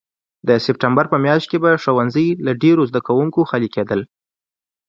د سپټمبر په میاشت کې به ښوونځي له ډېرو زده کوونکو خالي کېدل.